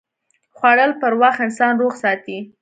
خوړل پر وخت انسان روغ ساتي